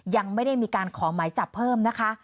ยังไม่ได้มีการขอหมายจับเพิ่มนะคะ